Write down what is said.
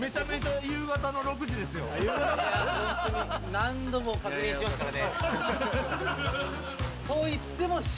何度も確認しますからね。